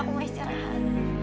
aku mau istirahat